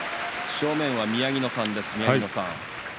正面は宮城野さんです。